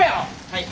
はい。